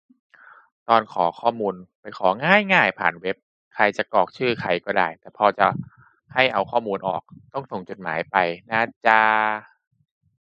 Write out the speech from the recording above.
ตอนขอข้อมูลไป ของ๊ายง่ายผ่านเว็บ ใครจะกรอกชื่อใครก็ได้ แต่พอจะขอให้เอาข้อมูลออก ต้องส่งจดหมายไปนาจา